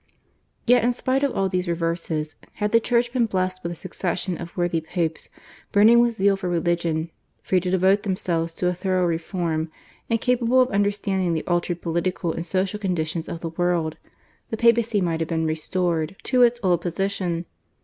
Yet in spite of all these reverses, had the Church been blessed with a succession of worthy Popes burning with zeal for religion, free to devote themselves to a thorough reform, and capable of understanding the altered political and social conditions of the world, the Papacy might have been restored to its old position.